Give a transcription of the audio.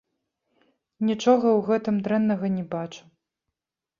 Нічога ў гэтым дрэннага не бачу.